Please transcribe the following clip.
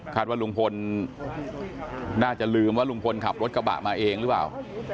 ว่าลุงพลน่าจะลืมว่าลุงพลขับรถกระบะมาเองหรือเปล่า